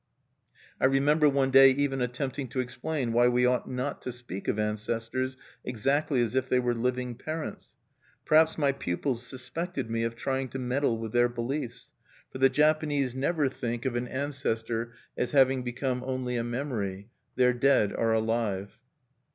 I remember one day even attempting to explain why we ought not to speak of ancestors exactly as if they were living parents! Perhaps my pupils suspected me of trying to meddle with their beliefs; for the Japanese never think of an ancestor as having become "only a memory": their dead are alive.